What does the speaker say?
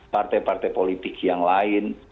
partai partai politik yang lain